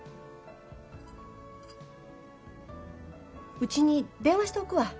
うちに電話しておくわ。